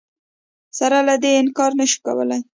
سره له دې انکار نه شو کولای